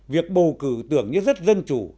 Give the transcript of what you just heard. việc bầu cử tưởng như rất dân chủ